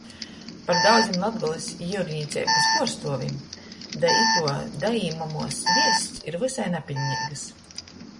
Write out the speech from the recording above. Par daudzim Latgolys jiurnīceibys puorstuovim da ituo daīmamuos viests ir vysai napiļneigys.